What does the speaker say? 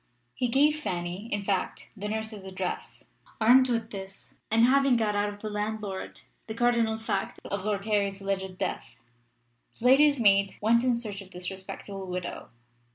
He gave Fanny, in fact, the nurse's address. Armed with this, and having got out of the landlord the cardinal fact of Lord Harry's alleged death, the lady's maid went in search of this respectable widow.